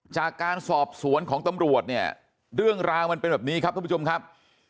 จากการสอบสวนของตำรวจเนี่ยเรื่องราวมันเป็นแบบนี้ครับท่านผู้ชมครับ